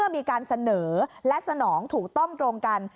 มีการเสนอและสนองถูกต้องตรงกัน